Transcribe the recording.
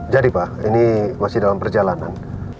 jadi pak ini masih dalam perjalanan